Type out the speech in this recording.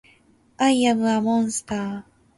アイアムアモンスター